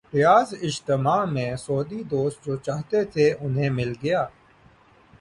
ریاض اجتماع میں سعودی دوست جو چاہتے تھے، انہیں مل گیا۔